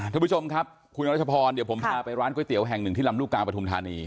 ทุกผู้ชมครับคุณรัชพรเดี๋ยวผมพาไปร้านก๋วยเตี๋ยวแห่งหนึ่งที่ลำลูกกาปฐุมธานี